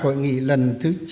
hội nghị lần thứ chín